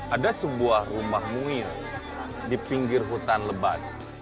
ada sebuah rumah muir di pinggir hutan lebat